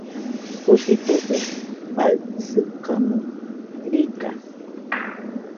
Jusitofe faɨsɨkamo riga.